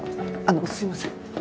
あのすいません。